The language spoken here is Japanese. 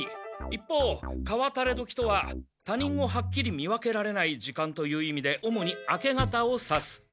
一方彼は誰時とは他人をはっきり見分けられない時間という意味で主に明け方を指す。